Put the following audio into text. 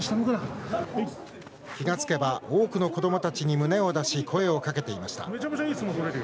気が付けば多くの子どもたちに胸を出し、声をかけていました。